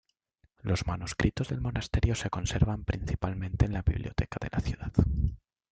Los manuscritos del monasterio se conservan principalmente en la biblioteca de la ciudad.